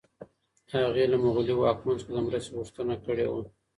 هغه له مغلي واکمن څخه د مرستې غوښتنه کړې وه.